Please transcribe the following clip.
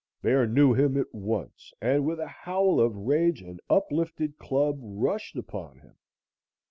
Bear knew him at once, and with a howl of rage and uplifted club, rushed upon him.